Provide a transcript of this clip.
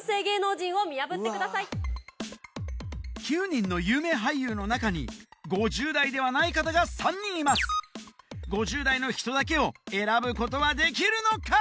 ９人の有名俳優の中に５０代ではない方が３人います５０代の人だけを選ぶことはできるのか？